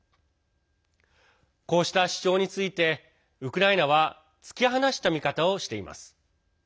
こうした主張についてウクライナは突き放した見方をしています。